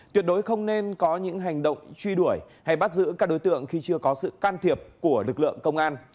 tuyệt đối không nên có những hành động truy đuổi hay bắt giữ các đối tượng khi chưa có sự can thiệp của lực lượng công an